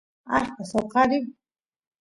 allpa soqariy